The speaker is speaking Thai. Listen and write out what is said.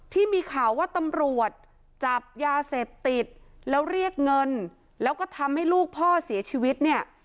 ที่มีข่าวว่าตำรวจจับยาเสพติดแล้วเรียกเงินแล้วก็ทำให้ลูกพ่อเสียชีวิตเนี่ย